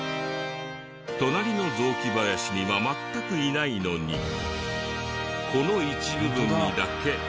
隣の雑木林には全くいないのにこの一部分にだけビッシリ。